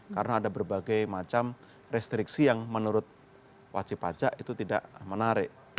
karena ada berbagai macam restriksi yang menurut wajib pajak itu tidak menarik